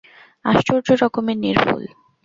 আশ্চর্য রকমের নির্ভুল।